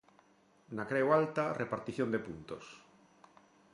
Na Creu Alta, repartición de puntos.